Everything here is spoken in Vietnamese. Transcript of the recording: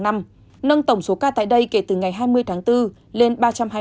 nâng tổng số ca tại đây kể từ ngày hai mươi tháng bốn lên ba trăm hai mươi ca